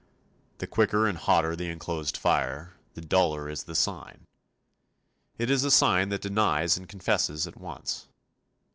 The quicker and hotter the enclosed fire, the duller is the sign. It is a sign that denies and confesses at once.